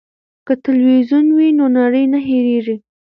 که تلویزیون وي نو نړۍ نه هیریږي.